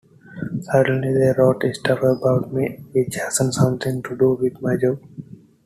Suddenly they wrote stuff about me, which hasn't something to do with my job.